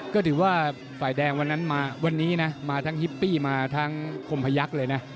ก็ถือว่าฝ่ายแดงวันนั้นมาวันนี้นะมาทั้งฮิปปี้มาทั้งคมพยักษ์เลยนะ